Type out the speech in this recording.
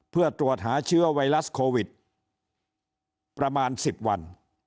เพื่อตรวจหาเชื้อไวรัสโควิดประมาณ๑๐วัน